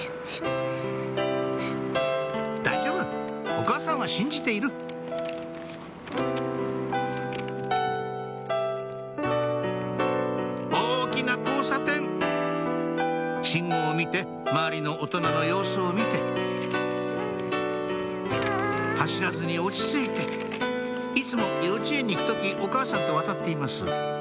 大丈夫お母さんは信じている大きな交差点信号を見て周りの大人の様子を見て走らずに落ち着いていつも幼稚園に行く時お母さんと渡っています